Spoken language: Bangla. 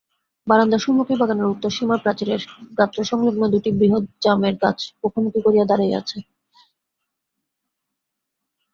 বারান্দার সম্মুখেই বাগানের উত্তরসীমার প্রাচীরের গাত্রসংলগ্ন দুইটি বৃহৎ জামের গাছ মুখামুখি করিয়া দাঁড়াইয়া আছে।